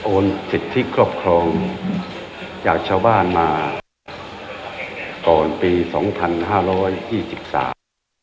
สิทธิครอบครองจากชาวบ้านมาก่อนปีสองพันห้าร้อยยี่สิบสาม